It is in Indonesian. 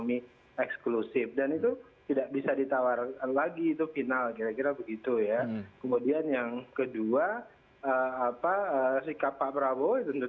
terima kasih pak prabowo